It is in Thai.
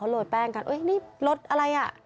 เขาโรยแป้งกันโอ๊ยนี่รถอะไรอ่ะ